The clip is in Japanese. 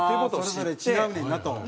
それぞれ違うねんなと。